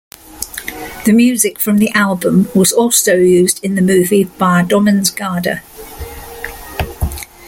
The music from the album was also used in the movie "Barndommens gade".